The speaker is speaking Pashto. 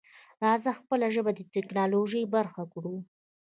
راځه خپله ژبه د ټکنالوژۍ برخه کړو.